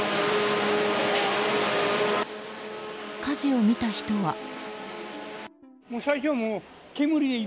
火事を見た人は。